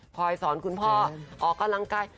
สอนคุณพ่อออกกำลังกาย